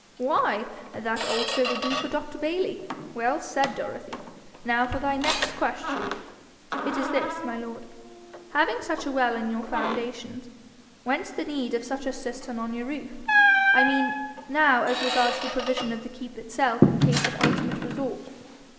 'Why, that also would do for Dr. Bayly! Well said, Dorothy! Now for thy next question.' 'It is this, my lord: having such a well in your foundations, whence the need of such a cistern on your roof? I mean now as regards the provision of the keep itself in case of ultimate resort.'